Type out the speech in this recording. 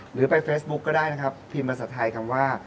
หรือไปเฟซบุ๊กก็ได้นะครับพิมพ์ภาษาไทยคำว่า